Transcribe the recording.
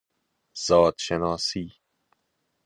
زادشناسی